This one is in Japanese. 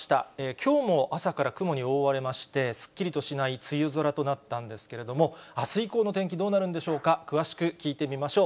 きょうも朝から雲に覆われまして、すっきりとしない梅雨空となったんですけれども、あす以降の天気、どうなるんでしょうか、詳しく聞いてみましょう。